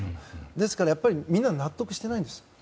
ですからみんな納得していないんです。